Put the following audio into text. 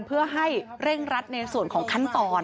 เพื่อให้เร่งรัดในส่วนของขั้นตอน